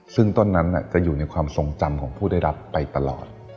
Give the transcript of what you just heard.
ซึ่งต้นนั้นจะอยู่ในความทรงจำของผู้ได้รับไปตลอด